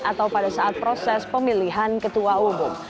atau pada saat proses pemilihan ketua umum